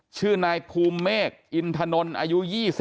ชื่อนายภูมิเมฆอินถนนอายุ๒๐